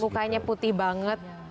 bukannya putih banget